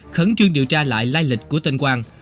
khẩn trương điều tra lại lai lịch của tên quang